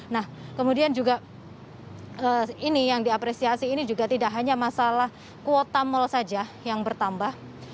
nah kemudian juga ini yang diapresiasi ini juga tidak hanya masalah kuota mal saja yang bertambah